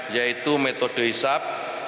yaitu metode hisap